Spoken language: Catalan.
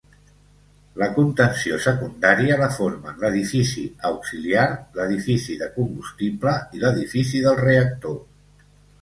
La contenció secundària la formen l'edifici auxiliar, l'edifici de combustible i l'edifici del reactor.